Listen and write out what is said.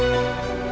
terima kasih ya